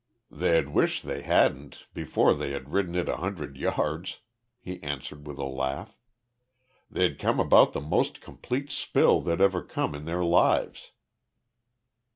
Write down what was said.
"They'd wish they hadn't before they had ridden it a hundred yards," he answered with a laugh. "They'd come about the most complete spill they'd ever come in their lives."